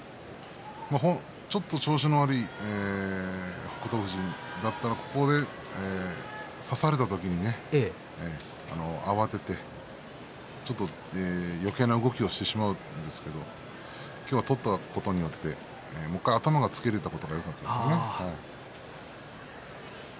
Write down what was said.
ちょっと調子の悪い北勝富士だったら、ここで差された時に慌ててよけいな動きをしてしまうんですけど今日は取ったことによってもう１回、頭をつけたところがよかったですね。